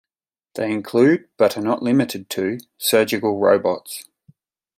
They include, but are not limited to, surgical robots.